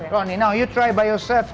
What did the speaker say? ronny sekarang kamu coba sendiri